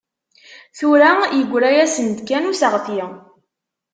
Tura yeggra-asen-d kan useɣti.